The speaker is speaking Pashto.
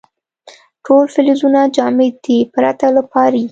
ټول فلزونه جامد دي پرته له پارې.